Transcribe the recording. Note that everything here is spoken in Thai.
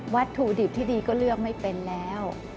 วัตถุดิบที่ดีก็เลือกไม่เป็นแล้ว